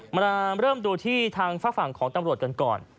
มาเริ่มดูที่ทางฝากฝั่งของตำรวจกันก่อน